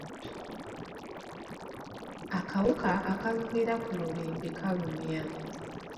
Akawuka akalumira ku lubimbi kalumya.